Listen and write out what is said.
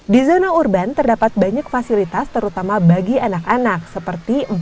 di zona urban terdapat banyak fasilitas terutama bagi anak anak seperti